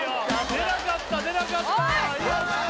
出なかった出なかったイエーイ